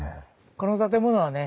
この建物はね